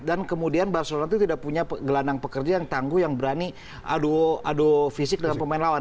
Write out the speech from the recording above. dan kemudian barcelona itu tidak punya gelandang pekerja yang tangguh yang berani adu fisik dengan pemain lawan